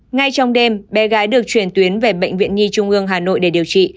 ngay trong đêm bé gái được chuyển tuyến về bệnh viện nhi trung ương hà nội để điều trị